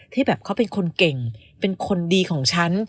ที่แบบเขาเป็นคนเก่งเป็นคนดีของฉัน